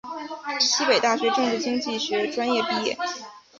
西北大学政治经济学专业毕业。